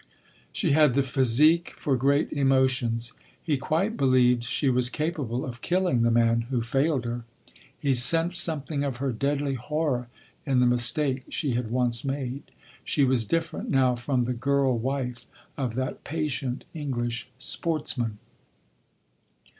She had the physique for great emotions. He quite believed that she was capable of killing the man who failed her. He sensed something of her deadly horror in the mistake she had once made. She was different now from the girl wife of that patient English sportsman.